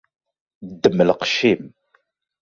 Ddem lqec-im.